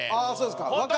そうですか。